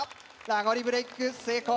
ラゴリブレイク成功。